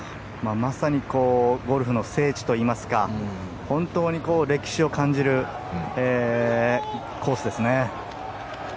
まさにゴルフの聖地といいますか本当に歴史を感じるコースですね。